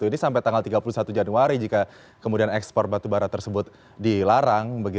ini sampai tanggal tiga puluh satu januari jika kemudian ekspor batubara tersebut dilarang